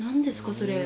それ。